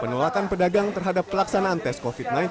penolakan pedagang terhadap pelaksanaan tes covid sembilan belas